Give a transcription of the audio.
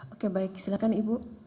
oke baik silakan ibu